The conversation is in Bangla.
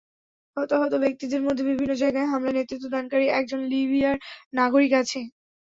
হতাহত ব্যক্তিদের মধ্যে বিভিন্ন জায়গায় হামলায় নেতৃত্বদানকারী একজন লিবিয়ার নাগরিক আছে।